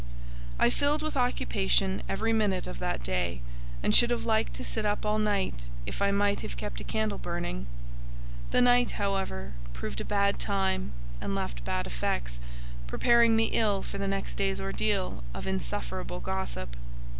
I filled with occupation every minute of that day, and should have liked to sit up all night if I might have kept a candle burning; the night, however, proved a bad time, and left bad effects, preparing me ill for the next day's ordeal of insufferable gossip.